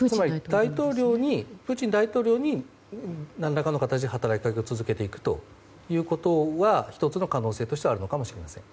プーチン大統領に何らかの形で働きかけを続けていくということが１つの可能性としてはあるのかもしれません。